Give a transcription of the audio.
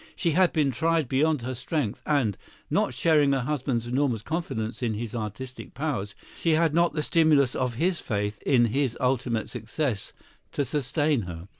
She had been tried beyond her strength, and, not sharing her husband's enormous confidence in his artistic powers, she had not the stimulus of his faith in his ultimate success to sustain her.